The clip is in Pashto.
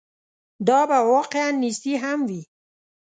دا به واقعاً نیستي هم وي.